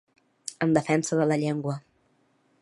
En defensa de la llengua.